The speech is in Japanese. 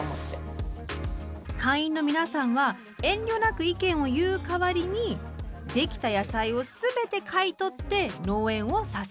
スタジオ会員の皆さんは遠慮なく意見を言うかわりにできた野菜をすべて買い取って農園を支える。